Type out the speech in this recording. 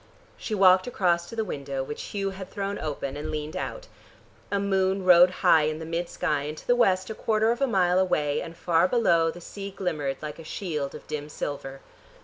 She walked across to the window, which Hugh had thrown open, and leaned out. A moon rode high in mid sky, and to the West a quarter of a mile away and far below the sea glimmered like a shield of dim silver.